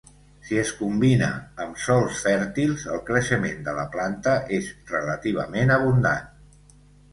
Si es combina amb sòls fèrtils, el creixement de la planta és relativament abundant.